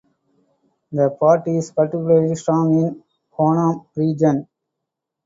The party is particularly strong in Honam region.